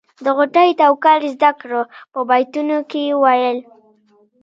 د غوټۍ توکل زده کړه په بیتونو کې وویل.